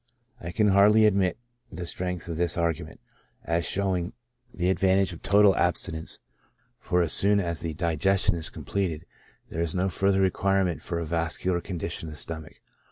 I can hardly ad mit the strength of this argument, as showing the ad vantage of total abstinence ; for, as soon as the digestion ALCOHOL IN HEALTH. 7 is completed, there is no further requirement for a vas cular condition of the stomach.